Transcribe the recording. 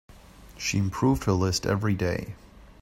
She improved her list every day.